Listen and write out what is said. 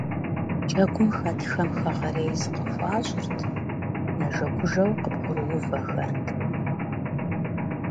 Джэгум хэтхэм хэгъэрей зыкъыхуащӀырт, нэжэгужэу къыбгъурыувэхэрт.